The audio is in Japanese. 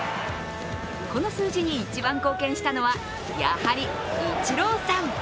この数字に一番貢献したのはやはりイチローさん。